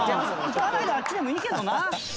歌わないであっちでもいいけどな。